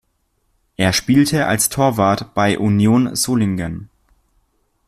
Er spielte als Torwart bei Union Solingen.